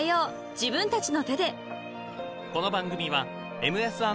自分たちの手で］